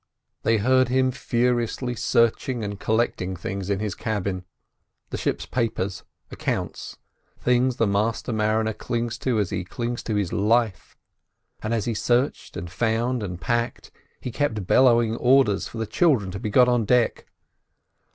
They heard him furiously searching and collecting things in his cabin—the ship's papers, accounts, things the master mariner clings to as he clings to his life; and as he searched, and found, and packed, he kept bellowing orders for the children to be got on deck.